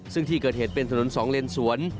ซึ่งที่เกิดเหตุเป็นถนน๒เลนสวน